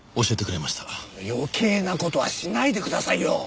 余計な事はしないでくださいよ！